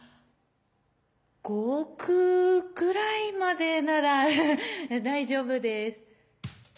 ５億ぐらいまでなら大丈夫です。